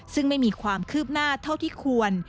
ซึ่งไม่มีความคืบหน้าเท่าที่ควร